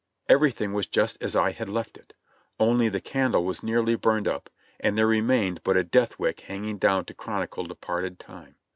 Everything was just as I had left it, only the candle was nearly burned up, and there remained but a death wick hanging down to chronicle departed time.